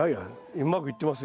うまくいってます